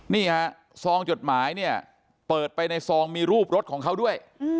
นี่ฮะซองจดหมายเนี่ยเปิดไปในซองมีรูปรถของเขาด้วย